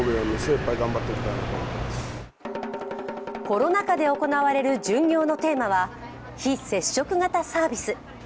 コロナ禍で行われる巡業のテーマは非接触型サービス。